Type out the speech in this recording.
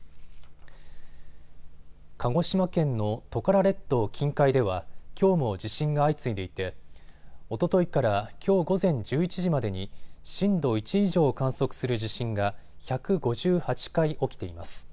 鹿児島県のトカラ列島近海ではきょうも地震が相次いでいておとといからきょう午前１１時までに震度１以上を観測する地震が１５８回、起きています。